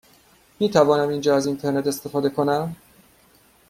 می توانم اینجا از اینترنت استفاده کنم؟